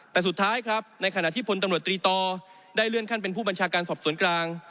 แต่สุดท้ายครับในขณะที่พลตำรวจตรีต่อได้เลื่อนขั้นเป็นผู้บัญชาการสอบสวนกลาง